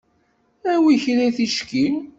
Awi kra i ticki.